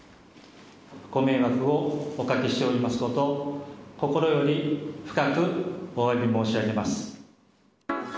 ご迷惑をおかけしておりますこと、心より深くおわび申し上げます。